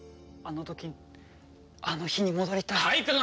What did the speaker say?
あの時あの日に戻りたい。